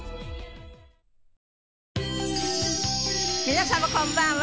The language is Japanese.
皆様こんばんは。